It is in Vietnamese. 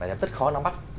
và rất khó nắm bắt